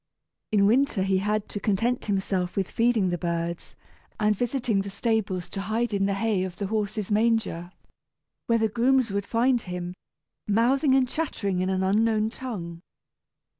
In winter he had to content himself with feeding the birds, and visiting the stables to hide in the hay of the horses' manger, where the grooms would find him, mouthing and chattering in an unknown tongue.